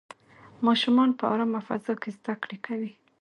ماشومان په ارامه فضا کې زده کړې کوي.